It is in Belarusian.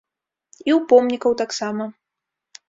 І ў помнікаў таксама.